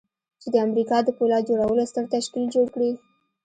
چې د امريکا د پولاد جوړولو ستر تشکيل جوړ کړي.